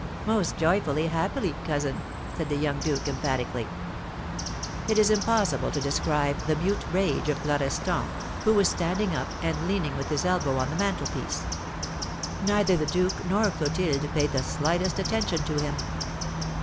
"Most joyfully, happily, cousin!" said the young duke, emphatically. It is impossible to describe the mute rage of Florestan, who was standing up, and leaning with his elbow on the mantelpiece. Neither the duke nor Clotilde paid the slightest attention to him.